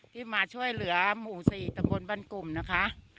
ที่มาช่วยเหลือหมู่๔ตะบนบ้านกลุ่มนะคะ